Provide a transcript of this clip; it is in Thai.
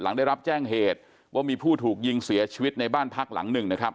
หลังได้รับแจ้งเหตุว่ามีผู้ถูกยิงเสียชีวิตในบ้านพักหลังหนึ่งนะครับ